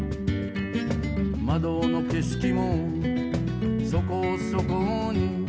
「窓の景色もそこそこに」